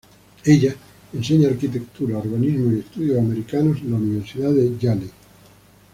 Ella enseña arquitectura, urbanismo, y estudios americanos en la Universidad de Yale.